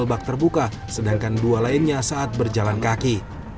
dua bak terbuka sedangkan dua lainnya saat berjalan kaki